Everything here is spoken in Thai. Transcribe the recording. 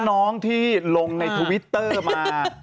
น้องที่ลงในทวิตเตอร์มา